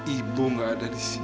ibu tidak ada disini